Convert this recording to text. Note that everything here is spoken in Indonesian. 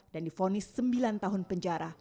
dan difonis sembilan tahun penjara